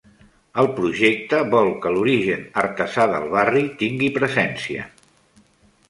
El projecte vol que l'origen artesà del barri tingui presència.